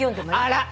あら。